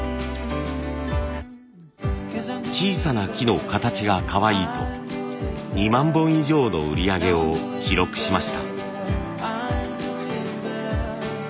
小さな木の形がかわいいと２万本以上の売り上げを記録しました。